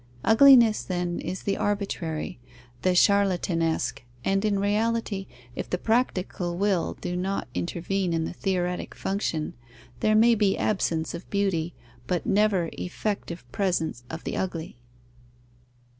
Ugliness, then, is the arbitrary, the charlatanesque; and, in reality, if the practical will do not intervene in the theoretic function, there may be absence of beauty, but never effective presence of the ugly.